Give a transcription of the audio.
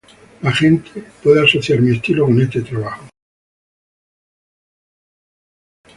La gente puede asociar mi estilo con este trabajo